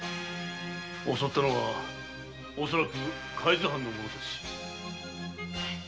襲ったのはおそらく海津藩の者たち。